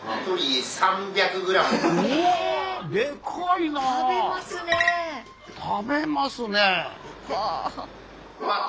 食べますね！